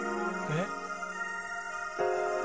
えっ？